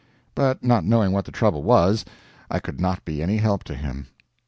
But not knowing what the trouble was, I could not be any help to him.